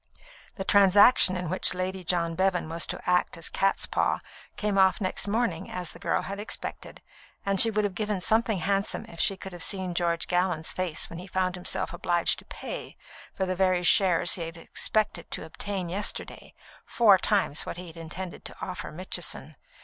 The transaction in which Lady John Bevan was to act as catspaw came off next morning as the girl had expected, and she would have given something handsome if she could have seen George Gallon's face when he found himself obliged to pay, for the very shares he had expected to obtain yesterday, four times what he had intended to offer Mitchison.